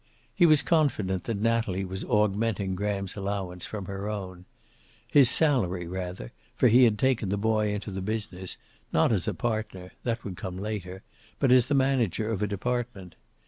He was confident that Natalie was augmenting Graham's allowance from her own. His salary, rather, for he had taken the boy into the business, not as a partner that would come later but as the manager of a department.